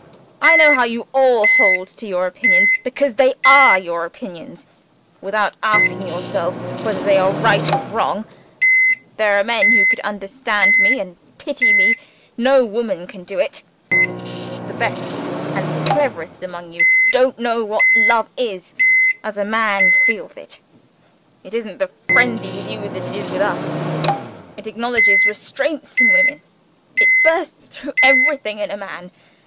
I know how you all hold to your opinions because they are your opinions without asking yourselves whether they are right or wrong. There are men who could understand me and pity me. No woman can do it. The best and cleverest among you don't know what love is as a man feels it. It isn't the frenzy with You that it is with Us. It acknowledges restraints in a woman it bursts through everything in a man.